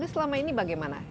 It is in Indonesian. selama ini bagaimana